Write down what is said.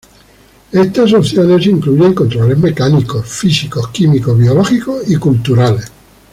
Estas opciones incluyen controles mecánicos, físicos, químicos, biológicos y culturales.